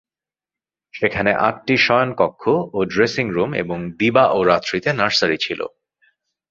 সেখানে আটটি শয়নকক্ষ ও ড্রেসিং রুম এবং দিবা ও রাত্রিতে নার্সারি ছিল।